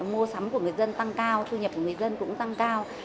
mua sắm của người dân tăng cao thu nhập của người dân cũng tăng cao